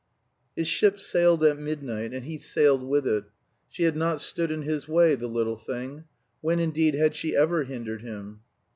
His ship sailed at midnight, and he sailed with it. She had not stood in his way, the little thing. When, indeed, had she ever hindered him?